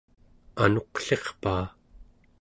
anuqlirpaa!